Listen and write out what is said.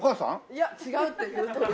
いや違うって言うとる。